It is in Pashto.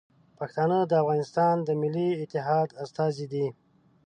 پښتانه د افغانستان د ملي اتحاد استازي دي.